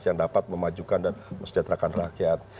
yang dapat memajukan dan mesejahterakan rakyat